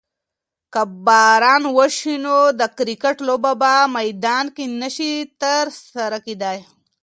که باران وشي نو د کرکټ لوبه په میدان کې نشي ترسره کیدی.